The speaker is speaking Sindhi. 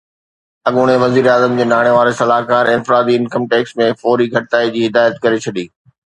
اڳوڻي وزيراعظم جي ناڻي واري صلاحڪار انفرادي انڪم ٽيڪس ۾ فوري گهٽتائي جي هدايت ڪري ڇڏي